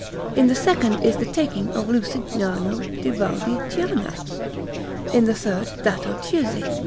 In the second is the taking of Lucignano di Valdichiana. In the third, that of Chiusi.